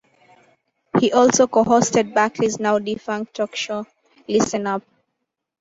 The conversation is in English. He also co-hosted Barkley's now-defunct talk show, Listen Up!